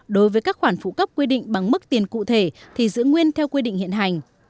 đối với các khoản phụ cấp quy định bằng mức tiền cụ thể thì giữ nguyên theo quy định hiện hành